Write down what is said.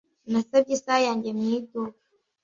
Nasabye isaha yanjye mu iduka.